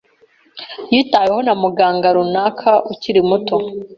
Yitaweho na muganga runaka ukiri muto.